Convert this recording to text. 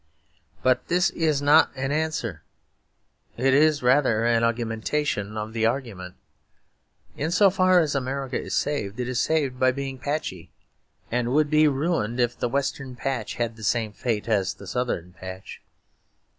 But this is not an answer; it is rather an augmentation of the argument. In so far as America is saved it is saved by being patchy; and would be ruined if the Western patch had the same fate as the Southern patch.